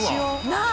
なあ！